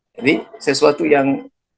jadi sesuatu yang